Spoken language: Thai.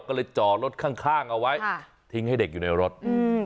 ก็เลยจอรถข้างข้างเอาไว้อ่าทิ้งให้เด็กอยู่ในรถอืม